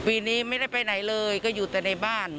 ปีนี้ไม่ได้ไปไหนเลยก็อยู่แต่ในบ้าน